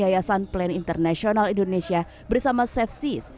yayasan plan internasional indonesia bersama sevsis